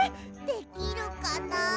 できるかなあ。